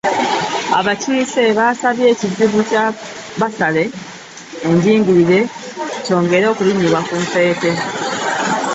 Abakiise basabye ekizibu kya bbasale enjigirire kyongere okulinnyibwa ku nfeete